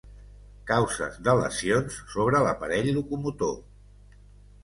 Causes de lesions sobre l’aparell locomotor.